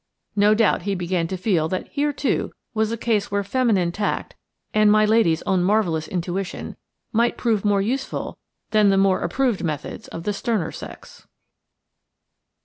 No doubt he began to feel that here, too, was a case where feminine tact and my lady's own marvellous intuition might prove more useful than the more approved methods of the sterner sex.